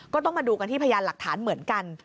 ก็ต้องมาดูกันที่พยานหลักฐานเหมือนกัน